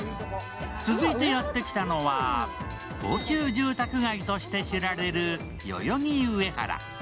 続いてやってきたのは、高級住宅街として知られる代々木上原。